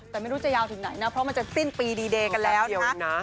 แต่ไม่รู้จะยาวถึงไหนนะเพราะมันจะสิ้นปีดีเดย์กันแล้วนะคะ